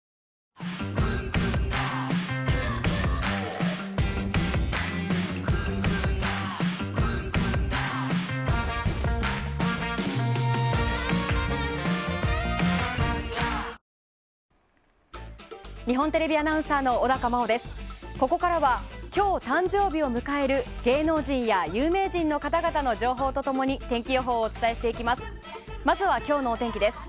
ここからは今日、誕生日を迎える芸能人や有名人の方々の情報と共に天気予報をお伝えしていきます。